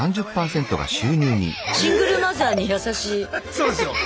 そうですよ。